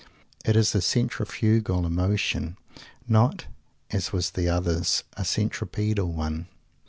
It is a centrifugal emotion, not, as was the other's, a centripedal one.